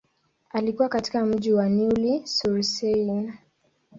Alikua katika mji wa Neuilly-sur-Seine.